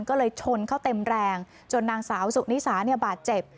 ก็เลยชนเข้าเต็มแรงจนนางสาวสุนิสาเนี่ยบาดเจ็บ